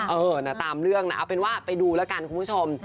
เออนะตามเรื่องนะเอาเป็นว่าไปดูแล้วกันคุณผู้ชม